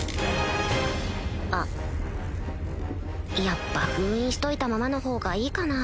やっぱ封印しといたままのほうがいいかな？